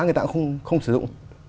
người ta cũng không sử dụng